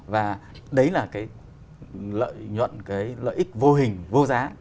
và đấy là cái lợi nhuận cái lợi ích vô hình vô giá